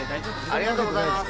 ありがとうございます。